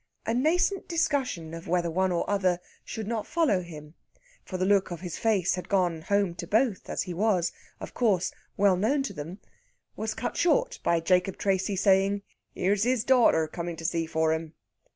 A nascent discussion of whether one or other should not follow him for the look of his face had gone home to both, as he was, of course, well known to them was cut short by Jacob Tracy saying, "Here's his daughter coming to see for him."